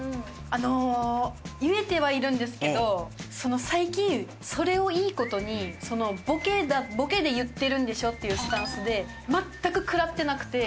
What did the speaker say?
あの言えてはいるんですけど最近それをいい事に「ボケで言ってるんでしょ？」っていうスタンスで全く食らってなくて。